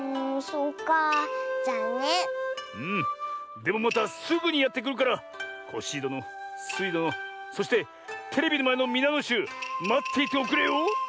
でもまたすぐにやってくるからコッシーどのスイどのそしてテレビのまえのみなのしゅうまっていておくれよ。